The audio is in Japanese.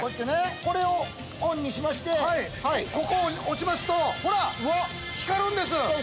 これをオンにしましてここを押しますと光るんです。